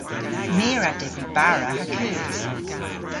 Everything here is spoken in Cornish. My a wra dybri bara ha keus.